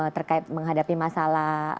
terkait menghadapi masalah